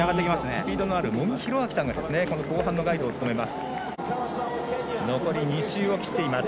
スピードのある茂木洋晃さんがこの後半のガイドを務めます。